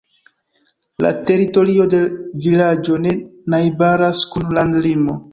La teritorio de vilaĝo ne najbaras kun landlimo.